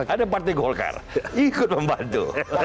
ada partai golkar ikut membantu